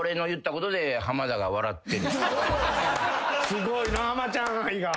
すごいな浜ちゃん愛が。